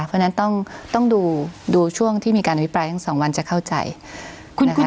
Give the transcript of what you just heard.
เพราะฉะนั้นต้องดูช่วงที่มีการอภิปรายทั้งสองวันจะเข้าใจนะคะ